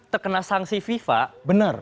terkena sanksi fifa benar